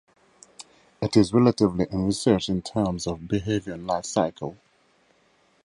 It is relatively unresearched in terms of behaviour and lifecycle.